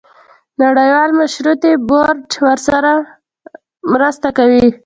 نړیوال مشورتي بورډ ورسره مرسته کوي.